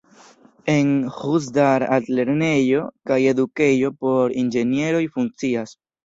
En Ĥuzdar altlernejo kaj edukejo por inĝenieroj funkcias.